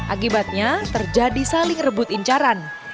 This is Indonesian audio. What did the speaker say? akibatnya terjadi saling rebut incaran